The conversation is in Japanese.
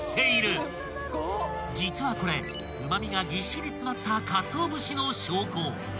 ［実はこれうま味がぎっしり詰まったかつお節の証拠］